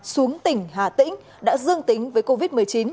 xuống tỉnh hà tĩnh đã dương tính với covid một mươi chín